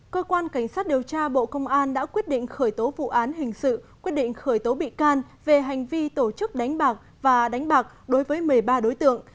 cơ quan cảnh sát điều tra bộ công an đã quyết định khởi tố vụ án hình sự quyết định khởi tố bị can về hành vi tổ chức đánh bạc và đánh bạc đối với một mươi ba đối tượng